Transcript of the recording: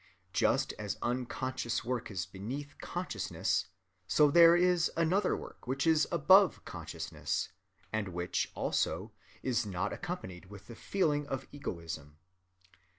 Just as unconscious work is beneath consciousness, so there is another work which is above consciousness, and which, also, is not accompanied with the feeling of egoism....